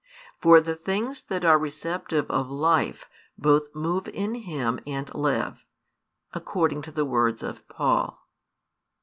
For the things that are receptive of life both move in Him and live, according to the words of Paul.